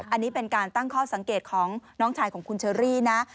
อันนี้เป็นการตั้งข้อสังเกตของน้องชายของคุณเชอรี่นะ